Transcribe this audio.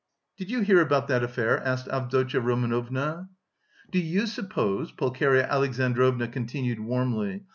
"Did you hear about that affair?" asked Avdotya Romanovna. "Do you suppose " Pulcheria Alexandrovna continued warmly.